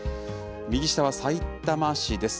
右下はさいたま市です。